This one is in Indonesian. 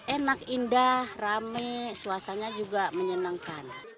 enak indah rame suasananya juga menyenangkan